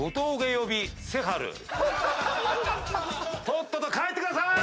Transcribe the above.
とっとと帰ってください！